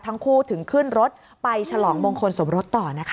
ทั้งคู่ถึงขึ้นรถไปฉลองมงคลสมรสต่อนะคะ